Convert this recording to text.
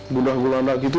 bunda gulanda gitu